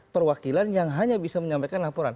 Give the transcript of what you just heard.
perwakilan yang hanya bisa menyampaikan laporan